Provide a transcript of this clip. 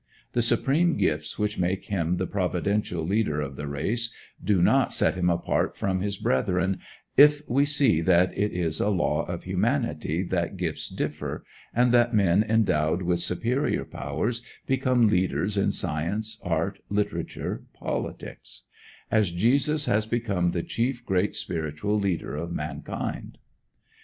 The supreme gifts which make him the providential leader of the race do not set him apart from his brethren if we see that it is a law of humanity that gifts differ, and that men endowed with superior powers become leaders in science, art, literature, politics; as Jesus has become the chief great spiritual leader of mankind.